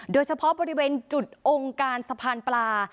โดยเฉพาะบริเวณจุดองค์การสะพานปลา